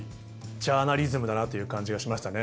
ジャーナリズムだなという感じがしましたね。